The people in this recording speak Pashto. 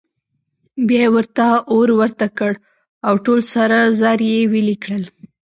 بیا یې ورته اور ورته کړ او ټول سره زر یې ویلې کړل.